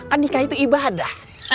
kan nikah itu ibadah